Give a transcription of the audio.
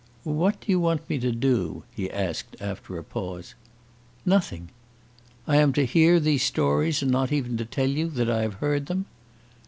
"What do you want me to do?" he asked, after a pause. "Nothing." "I am to hear these stories and not even to tell you that I have heard them?"